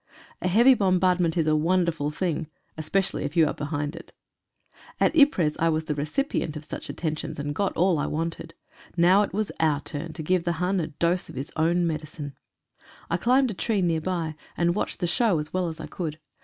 A heavy bombardment is a wonderful thing — more especially if you are behind it ! At Ypres I was the recipient of such attentions and got all I wanted. Now it was our turn to give the Hun a dose of his own medicine. I climbed a tree near by and watched the show as well as I could.